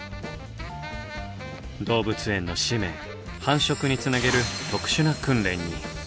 動物園の使命繁殖につなげる特殊な訓練に。